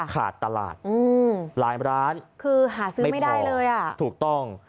ขาดตลาดอืมหลายร้านคือหาซื้อไม่ได้เลยอ่ะถูกต้อง